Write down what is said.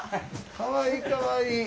かわいいかわいい。